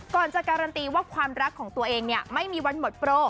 ก่อนจะการันตีว่าความรักของตัวเองไม่มีวันหมดโปร